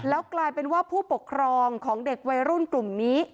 แล้วกลายเป็นว่าผู้ปกครองของเด็กวัยรุ่นกลุ่มนี้